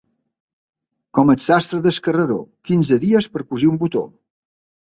Com el sastre del Carreró, quinze dies per cosir un botó.